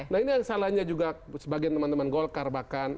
nah ini yang salahnya juga sebagian teman teman golkar bahkan